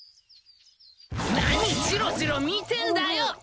何じろじろ見てんだよ！